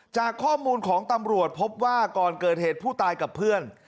จากข้อมูลของตำรวจพบว่าก่อนเกิดเหตุผู้ตายกับเพื่อน